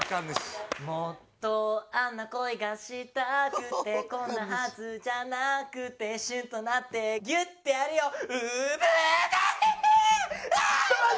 「もっとあんな恋がしたくてこんなはずじゃなくて」「シュンとなってギュッてやるよ」「初心だね」うわーっ！